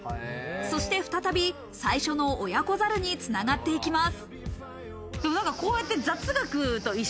そして再び最初の親子猿につながっていきます。